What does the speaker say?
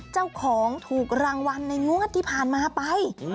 เจ้าของถูกรางวัลในงวดที่ผ่านมาไป